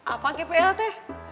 apa kpl teh